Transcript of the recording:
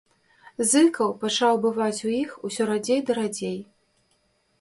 Зыкаў пачаў бываць у іх усё радзей ды радзей.